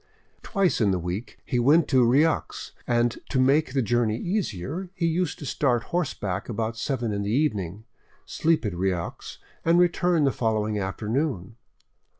Twice in the week he went to Rieux, and to make the journey easier, used to start horseback about seven in the evening, sleep at Rieux, and return the following afternoon.